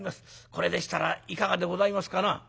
これでしたらいかがでございますかな？」。